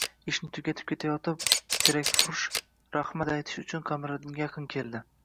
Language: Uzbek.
Ishini tugatib ketayotgan terakfurush rahmat aytish uchun Qamariddinga yaqin keldi